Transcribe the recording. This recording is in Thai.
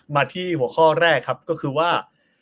มาที่หัวข้อแรกครับก็คือว่า